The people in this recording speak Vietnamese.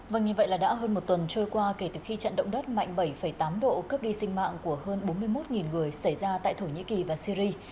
vâng như vậy là đã hơn một tuần trôi qua kể từ khi trận động đất mạnh bảy tám độ cướp đi sinh mạng của hơn bốn mươi một người xảy ra tại thổ nhĩ kỳ và syri